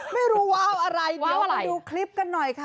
ไม่รู้ว่าเอาอะไรเดี๋ยวมาดูคลิปกันหน่อยค่ะ